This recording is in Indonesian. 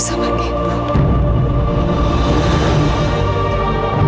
tidak ada yang boleh menghormati ibu